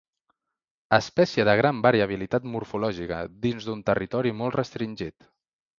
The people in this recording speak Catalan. Espècie de gran variabilitat morfològica, dins d'un territori molt restringit.